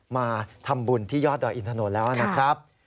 มาทำบุญที่ยอดดอยอินถนนแล้วนะครับ